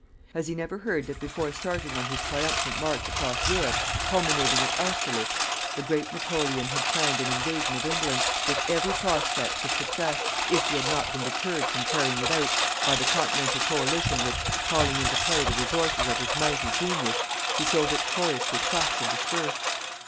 Has he never heard that before starting on his triumphant march across Europe, culminating at Austerlitz, the great Napoleon had planned an invasion of England, with every prospects of success, if he had not been deterred from carrying it out by the continental coalition which, calling into play the resources of his mighty genius, he so victoriously crushed and dispersed?